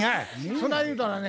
そない言うたらね